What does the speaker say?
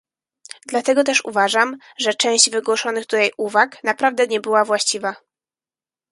Dlatego też uważam, że część wygłoszonych tutaj uwag naprawdę nie była właściwa